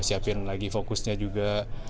siapin lagi fokusnya juga